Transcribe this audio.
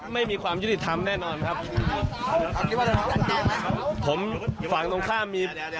ไม่มีความยุติธรรมแน่นอนนะครับ